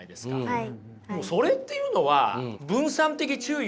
はい。